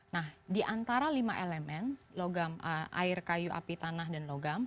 nah di antara lima elemen logam air kayu api tanah dan logam